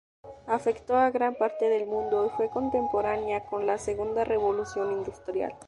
Afectó a gran parte del mundo y fue contemporánea con la Segunda revolución industrial.